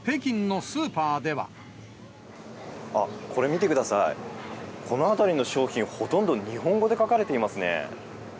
あっ、これ見てください、この辺りの商品、ほとんど日本語で書かれていますね。